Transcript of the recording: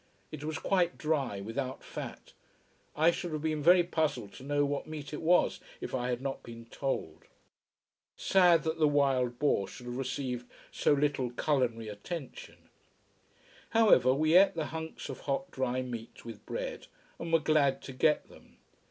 It was quite dry, without fat. I should have been very puzzled to know what meat it was, if I had not been told. Sad that the wild boar should have received so little culinary attention. However, we ate the hunks of hot, dry meat with bread, and were glad to get them.